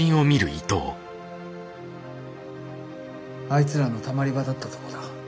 あいつらのたまり場だったとこだ。